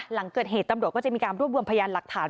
หลังเกิดเหตุตำรวจก็จะมีการรวบรวมพยานหลักฐาน